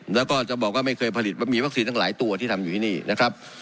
แล้วก็จะบอกว่าไม่เคยผลิตมีวัคซีนทั้งหลายตัวที่ทำอยู่ที่นี่นะครับ